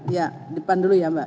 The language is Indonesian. ya depan dulu ya mbak